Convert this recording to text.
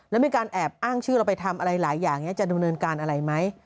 แล้วมีการแอบอ้างชื่อเราไปทำอะไรหลายอย่างนี้จะดำเนินการอะไรไหม